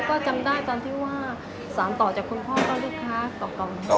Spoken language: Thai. แต่ก็จำได้ตอนที่ว่าสารต่อแต่คนพ่อนก็ลูกค้าเก่า